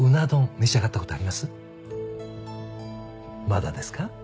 まだですか？